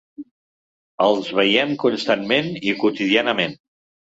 Els veiem constantment i quotidianament.